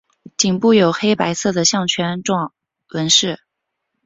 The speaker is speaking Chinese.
颈部有黑白色的项圈状纹饰。